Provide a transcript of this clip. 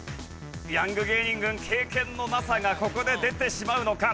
ヤング芸人軍経験のなさがここで出てしまうのか。